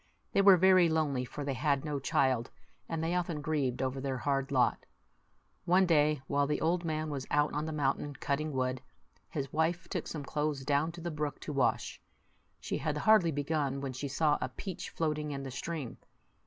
They were very lonely, for they had no child, and they often grieved over their hard lot. One day, while the old man was out on the mountain cutting wood, his wife took some clothes down to the brook to wash. She had hardly begun, when she saw a peach floating in the stream.